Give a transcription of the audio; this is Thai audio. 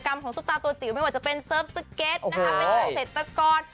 ไม่ว่าจะเป็นเป็นเศรษฐกร